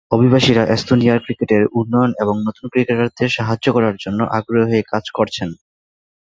অভিবাসীরা এস্তোনিয়ার ক্রিকেটের উন্নয়ন এবং নতুন ক্রিকেটারদের সাহায্য করার জন্য আগ্রহী হয়ে কাজ করছেন।